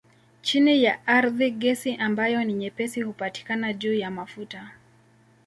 Chini ya ardhi gesi ambayo ni nyepesi hupatikana juu ya mafuta.